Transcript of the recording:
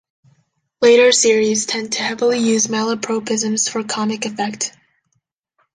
Later series tend to heavily use malapropisms for comic effect.